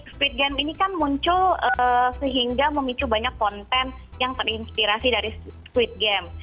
speed game ini kan muncul sehingga memicu banyak konten yang terinspirasi dari squid game